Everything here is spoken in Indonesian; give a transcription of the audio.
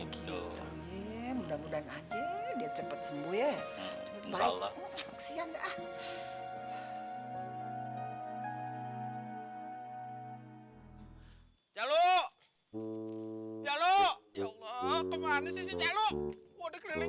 cuman sakit fisik